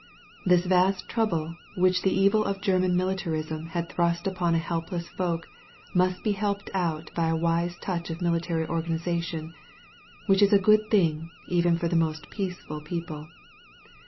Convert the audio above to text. This vast trouble which the evil of German militarism had thrust upon a helpless folk must be helped out by a wise touch of military organization, which is a good thing even for the most peaceful people.